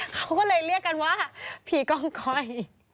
เขาก็เลยเรียกกันว่าผีกองคอย